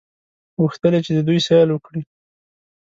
غوښتل یې چې د دوی سیل وکړي.